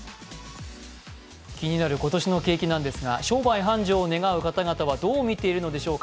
気になる今年の景気なんですが商売繁盛を願う方々はどう見ているのでしょうか。